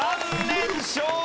３連勝！